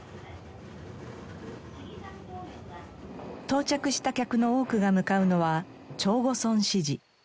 到着した客の多くが向かうのは朝護孫子寺。